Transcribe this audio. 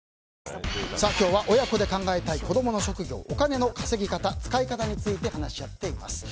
今日は親子で考えたい子供の職業お金の稼ぎ方・使い方について話し合っています。